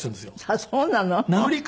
あっそうなの？